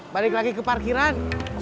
balik lagi ke parkiran